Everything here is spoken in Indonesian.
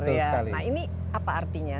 nah ini apa artinya